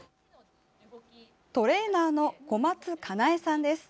トレーナーの小松加苗さんです。